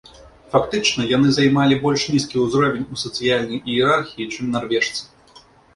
Фактычна яны займалі больш нізкі ўзровень ў сацыяльнай іерархіі, чым нарвежцы.